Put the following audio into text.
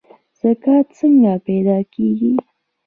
زکام څنګه پیدا کیږي؟